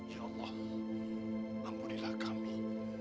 ya allah ampunilah kami